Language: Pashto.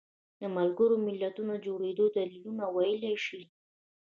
د ملګرو ملتونو د جوړېدو دلیلونه وویلی شي.